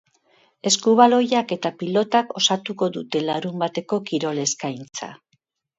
Eskubaloiak eta pilotak osatuko dute larunbateko kirol eskaintza.